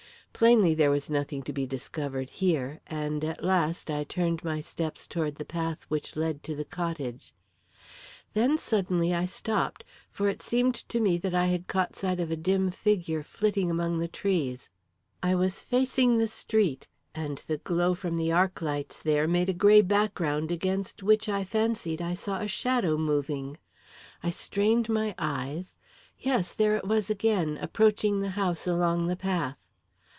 Plainly there was nothing to be discovered here, and at last I turned my steps toward the path which led to the cottage. Then suddenly I stopped, for it seemed to me that I had caught sight of a dim figure flitting among the trees. I was facing the street, and the glow from the arc lights there made a grey background against which I fancied I saw a shadow moving. I strained my eyes yes there it was again, approaching the house along the path.